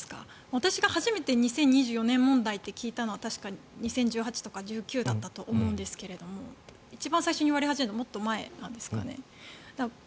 私が初めて２０２４年問題って聞いたのは確か２０１８年とか１９年だったと思うんですが一番最初に言われ始めたのはもっと前なんですかね。